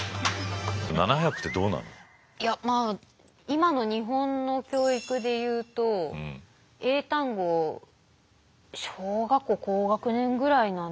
いやまあ今の日本の教育で言うと英単語を小学校高学年ぐらいなんですかね。